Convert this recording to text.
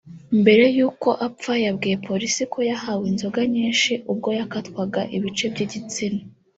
Mbere y’uko apfa yabwiye polisi ko yahawe inzoga nyinshi ubwo yakatwaga ibice by’igitsina